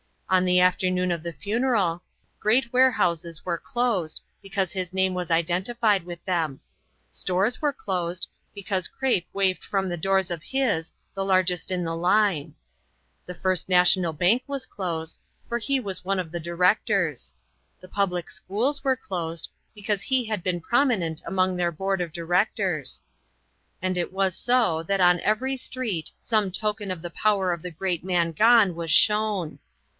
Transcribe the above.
On the afternoon of the fu 28 INTERRUPTED. neral, great warehouses were closed, because his name was identified with them ; stores were closed, because crape waved from the doors of his, the largest in the Hue. The First National Bank was closed, for he was one of the Directors. The public schools were closed, because he had been prominent among their Board of Directors ; and it was so that on every street some token of the power of the great man gone was shown.